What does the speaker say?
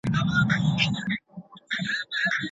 که د خښتو بټۍ عصري سي، نو تور لوګی ښار ته نه ننوځي.